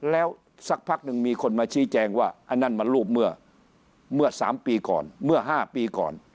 แล้วสักพักหนึ่งมีคนมาชี้แจงว่าอันนั้นมันรูปเมื่อ๓ปีก่อนเมื่อ๕ปีก่อน